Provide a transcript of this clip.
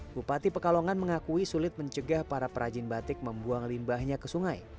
bupati pekalongan mengakui sulit mencegah para perajin batik membuang limbahnya ke sungai